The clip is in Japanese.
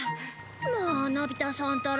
もうのび太さんったら。